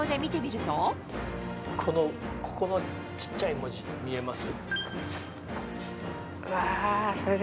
ここの小っちゃい文字見えます？